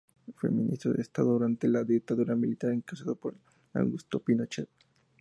Fue ministro de Estado durante la dictadura militar encabezado por Augusto Pinochet.